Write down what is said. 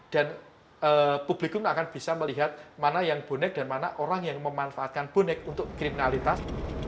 dan publikum akan bisa melihat mana yang bonek dan mana orang yang memanfaatkan bonek untuk kriminalitas